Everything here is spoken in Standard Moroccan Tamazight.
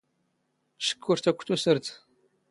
ⵛⴽⴽ ⵓⵔ ⵜ ⴰⴽⴽⵯ ⵜⵓⵙⵔⴷ.